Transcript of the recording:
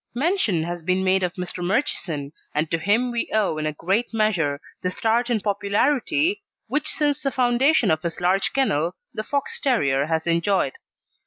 Mention has been made of Mr. Murchison, and to him we owe in a great measure the start in popularity which since the foundation of his large kennel the Fox terrier has enjoyed.